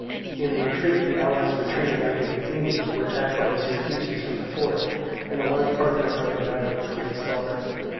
In the retreat, the allies retreating after the Athenians were attacked by the Syracusans from the fort, and a large part of their army routed with great slaughter.